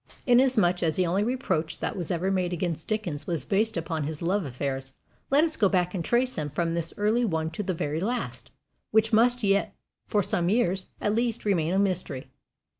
Inasmuch as the only reproach that was ever made against Dickens was based upon his love affairs, let us go back and trace them from this early one to the very last, which must yet for some years, at least, remain a mystery.